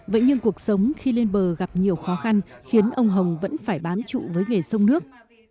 vậy nhưng cuộc sống khi lên bờ gặp nhiều khó khăn khiến ông hồng vẫn phải bám trụ với nghề sông nước